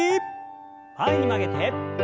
前に曲げて。